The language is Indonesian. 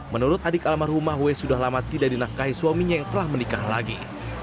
menurut adik almarhumah w sudah lama tidak dinafkahi suaminya yang telah menikah lagi